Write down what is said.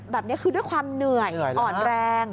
แบบนี้คือด้วยความเหนื่อยอ่อนแรง